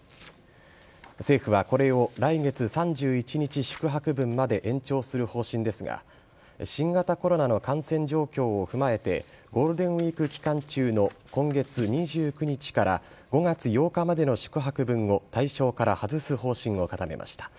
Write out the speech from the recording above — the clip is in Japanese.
政府はこれを来月３１日宿泊分まで延長する方針ですが新型コロナの感染状況を踏まえてゴールデンウイーク期間中の今月２９日から５月８日までの宿泊分を対象から外す方針を固めました。